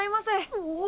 おお！